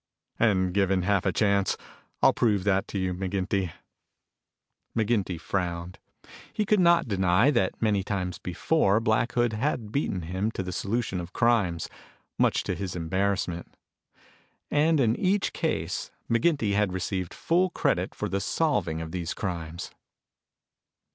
And given half a chance, I'll prove that to you, McGinty." McGinty frowned. He could not deny that many times before Black Hood had beaten him to the solution of crimes, much to his embarrassment. And in each case, McGinty had received full credit for the solving of these crimes.